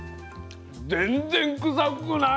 全然くさくない。